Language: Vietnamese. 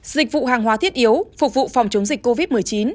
dịch vụ hàng hóa thiết yếu phục vụ phòng chống dịch covid một mươi chín